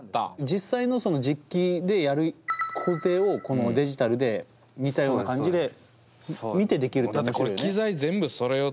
実際の実機でやる工程をこのデジタルで似たような感じで見てできるって面白いよね。